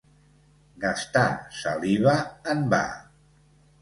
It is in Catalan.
Gastar saliva en va.